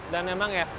dan memang ya